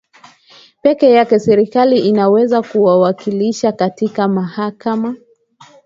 pekee yake serikali inaweza kuwakilisha katika mahakama